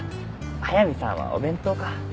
速見さんはお弁当か。